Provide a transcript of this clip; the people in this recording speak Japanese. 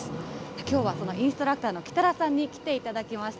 きょうはそのインストラクターの北田さんに来ていただきました。